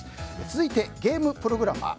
続いて、ゲームプログラマー。